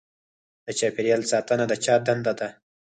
د چاپیریال ساتنه د چا دنده ده؟